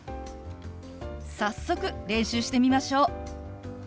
早速練習してみましょう。